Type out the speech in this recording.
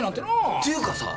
っていうかさ